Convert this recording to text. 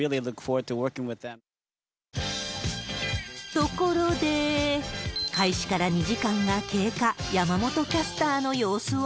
ところで、開始から２時間が経過、山本キャスターの様子は？